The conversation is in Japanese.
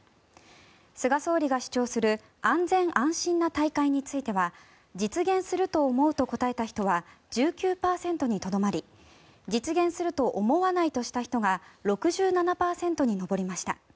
菅総理が主張する安全安心な大会については実現すると思うと答えた人は１９％にとどまり実現すると思わないとした人が６７％に上りました。